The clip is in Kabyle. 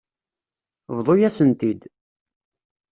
Bḍu-yasen-t-id.